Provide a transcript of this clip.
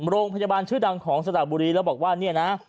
โรงพยาบาลชื่อดังของสระบุรีแล้วบอกว่าเนี่ยนะ